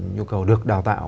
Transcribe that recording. như cầu được đào tạo